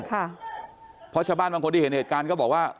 เพราะชาวบ้านบางคนที่เห็นเหตุการณ์ก็บอกว่า